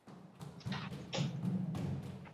群岛海是波罗的海的一部份。